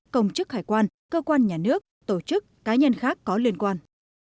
công chức hải quan cơ quan nhà nước tổ chức cá nhân khác có liên quan